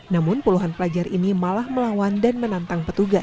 namun puluhan pelajar ini malah melawan dan menantang petugas